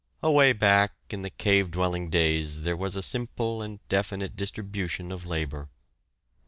Away back in the cave dwelling days, there was a simple and definite distribution of labor.